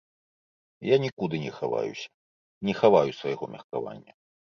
Я нікуды не хаваюся, не хаваю свайго меркавання.